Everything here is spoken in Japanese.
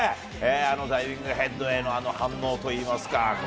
あのダイビングヘッドへのあの反応といいますか。